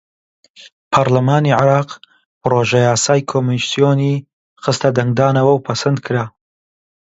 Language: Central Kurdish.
پەڕلەمانی عێراق پڕۆژەیاسای کۆمیسیۆنی خستە دەنگدانەوە و پەسەندکرا.